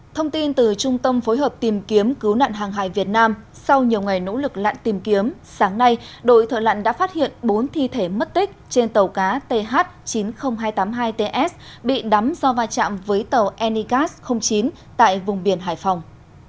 thông tin từ trung tâm phối hợp tìm kiếm cứu nạn hàng hải việt nam sau nhiều ngày nỗ lực lặn tìm kiếm sáng nay đội thợ lặn đã phát hiện bốn thi thể mất tích trên tàu cá th chín mươi nghìn hai trăm tám mươi hai ts bị đắm do va chạm với tàu enigas chín tại vùng biển hải phòng